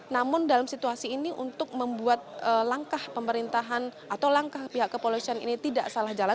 namun dalam situasi ini untuk membuat langkah pemerintahan atau langkah pihak kepolisian ini tidak salah jalan